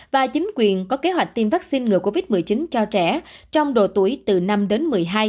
và chính quyền có kế hoạch tiêm vaccine ngừa covid một mươi chín cho trẻ trong độ tuổi từ năm đến một mươi hai